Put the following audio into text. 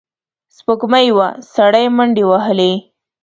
سپوږمۍ وه، سړی منډې وهلې.